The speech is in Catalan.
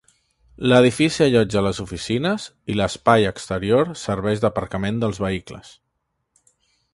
L'edifici allotja les oficines i l'espai exterior serveix d'aparcament dels vehicles.